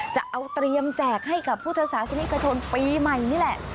จะเอาเตรียมแจกให้กับพุทธศาสนิกชนปีใหม่นี่แหละ